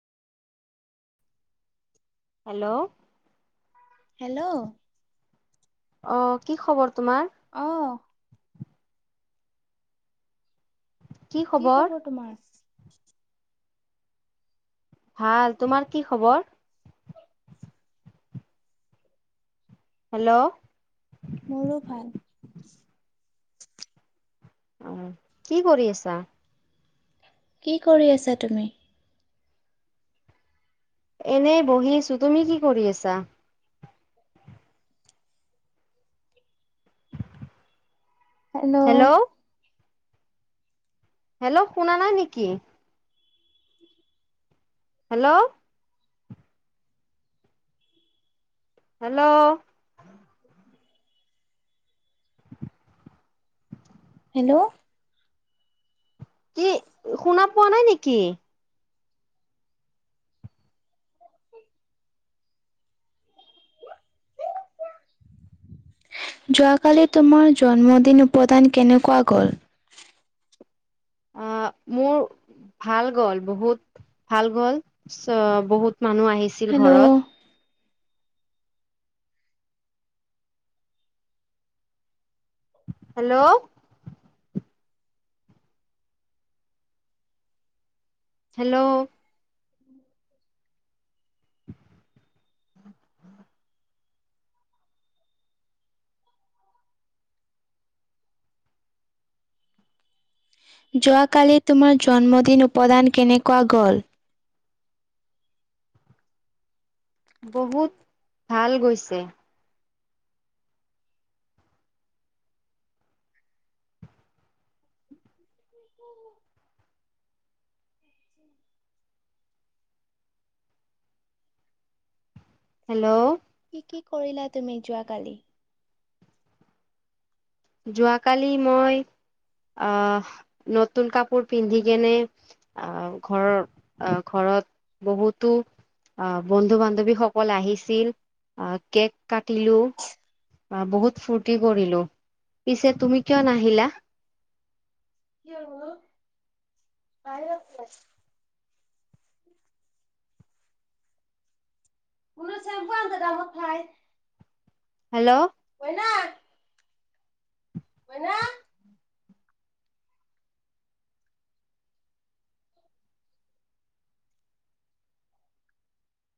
Hello hello অ কি খবৰ তোমাৰ অ কি খবৰ তোমাৰ ভাল তোমাৰ কি খবৰ হেল্ল' মোৰো ভাল। উম, কি কৰি আছা? কি কৰি আছা তুমি? এনেই বহি আছোঁ তুমি কি কৰি আছা? হেল্ল'। হেল্ল' শুনা নাই নেকি? হেল্ল'। হেল্ল'। হেল্ল'। কি শুনা পোৱা নাই নেকি? যোৱাকালি তোমাৰ জন্মদিন উপদান কেনেকুৱা গ'ল? অ', মোৰ ভাল গ'ল, বহুত ভাল গ'ল চ বহুত মানুহ আহিছিল হেল্ল' ঘৰত। হেল্ল'। হেল্ল'। [inaudible] যোৱাকালি তোমাৰ জন্মদিন উপদান কেনেকুৱা গ'ল? বহুত ভাল গৈছে। হেল্ল'। কি কৰিলা তুমি যোৱাকালি? যোৱাকালি মই অহ, নতুন কাপোৰ পিন্ধি কেনে অহ, ঘৰৰ অহ, ঘৰত বহুতো অহ, বন্ধু বান্ধৱীসকল আহিছিল অহ, কেক কাটিলো। অ', বহুত ফূৰ্তি কৰিলো। পিছে তুমি কিয় নাহিলা? [inaudible] [unintelligible] হেল্ল'। [inaudible] [inaudible]